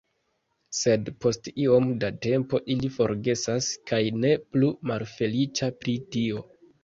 Sed post iom da tempo, ili forgesas kaj ne plu malfeliĉa pri tio.